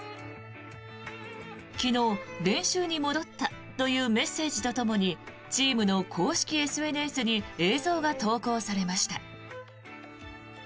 昨日、練習に戻ったというメッセージとともにチームの公式ＳＮＳに映像が投稿されました。